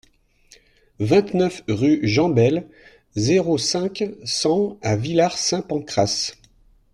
vingt-neuf rue Jean Bayle, zéro cinq, cent à Villar-Saint-Pancrace